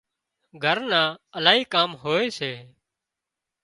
گھر نان الاهي ڪام هوئي سي